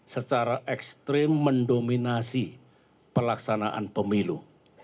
secara ekstrim mendominasi pelaksanaan pemilu